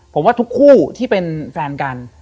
ผมว่าทุกคู่ที่เป็นแฟนกัน